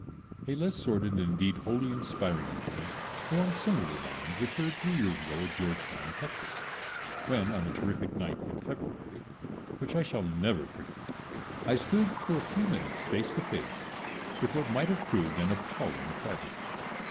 A less sordid, and indeed wholly inspiring, incident along similar lines occurred three years ago at Georgetown, Texas, when on a terrific night in February, which I shall never forget, I stood for a few minutes face to face with what might have proved an appalling tragedy.